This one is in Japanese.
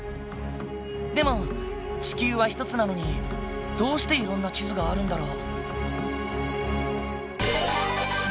でも地球は１つなのにどうしていろんな地図があるんだろう？